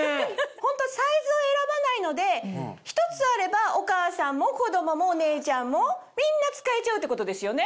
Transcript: ホントサイズを選ばないので１つあればお母さんも子供もお姉ちゃんもみんな使えちゃうってことですよね。